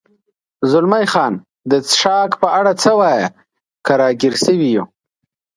زلمی خان: د څښاک په اړه څه وایې؟ که را ګیر شوي یو.